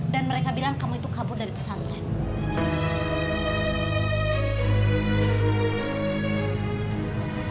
dan mereka bilang kamu itu kabur dari pesantren